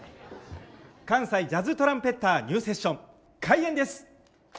関西ジャズトランペッターニューセッション開演です。